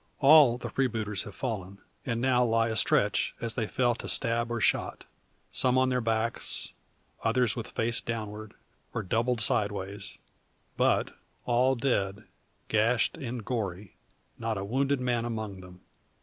All the freebooters have fallen, and now lie astretch as they fell to stab or shot; some on their backs, others with face downward, or doubled sideways, but all dead, gashed, and gory not a wounded man among them!